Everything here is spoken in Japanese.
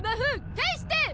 返して！